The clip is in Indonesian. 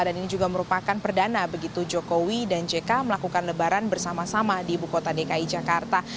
dan ini juga merupakan perdana begitu jokowi dan jk melakukan lebaran bersama sama di ibu kota dki jakarta